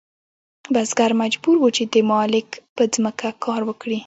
بزګر مجبور و چې د مالک په ځمکه کار وکړي.